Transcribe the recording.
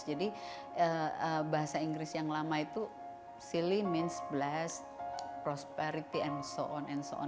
jadi bahasa inggris yang lama itu silly berarti blessed prosperity dan sebagainya